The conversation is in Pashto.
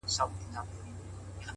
خپل فکرونه لوړ وساتئ’